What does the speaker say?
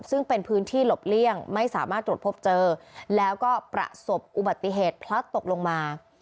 ซึ่งเป็นพื้นที่หลบเลี่ยงไม่สามารถตรวจพบเจอแล้วก็ประสบอุบัติเหตุพลัดตกลงมา